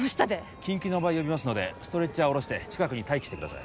緊急の場合呼びますのでストレッチャーをおろして近くに待機してください